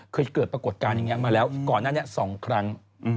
เคยเกิดปรากฏการณ์อย่างนี้มาแล้วก่อนหน้านี้๒ครั้ง